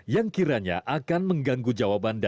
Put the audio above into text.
yang kiranya akan mengganggu jawaban